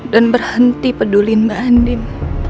dan berhenti peduliin mbak adin